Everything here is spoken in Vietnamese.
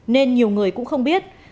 nên nhiều người cũng không biết